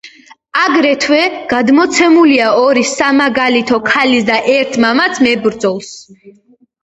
აგრეთვე გადმოცემულია ორი სამაგალითო ქალის და ერთ მამაც მებრძოლს.